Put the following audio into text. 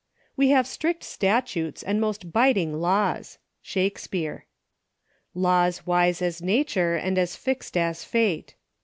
"We have striot statutes, and most biting laws." Shakspeare. "Laws wise as nature, and as fix'd as fate.''